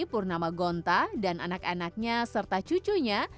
purnama gonta dan anak anaknya serta cucunya